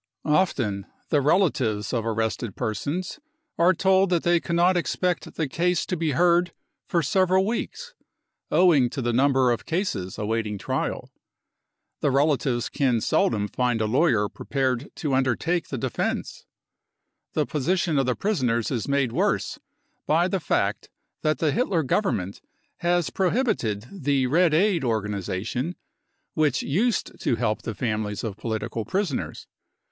Often the relatives of arrested persons are told that they cannot expect the case to be heard for several weeks, owing to the number of cases awaiting trial. The relatives can seldom find a lawyer prepared to undertake the defence. The position of the prisoners is made worse by the fact that the Hitler Government has prohibited the 44 Red Aid 59 organisation, which used to help the families of political prisoners.